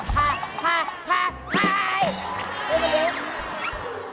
เฮ้ยเหมือนเดิม